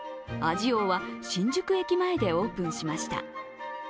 味王は新宿駅前でオープンしました。